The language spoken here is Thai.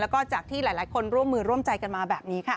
แล้วก็จากที่หลายคนร่วมมือร่วมใจกันมาแบบนี้ค่ะ